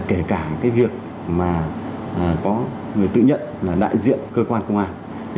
kể cả việc có người tự nhận là đại diện cơ quan công an